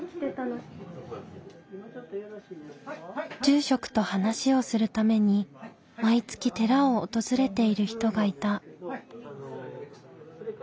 住職と話をするために毎月寺を訪れている人がいた。